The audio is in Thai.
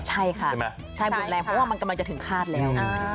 ใช่ค่ะใช่บุญแรงเพราะว่ามันกำลังจะถึงฆาตแล้ว